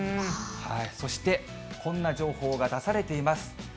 そして、こんな情報が出されています。